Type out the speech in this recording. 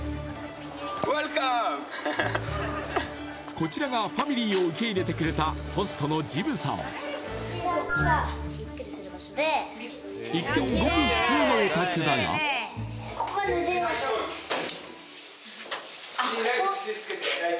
こちらがファミリーを受け入れてくれたホストのジブさん一見ごく普通のお宅だが仁ライトつけてライト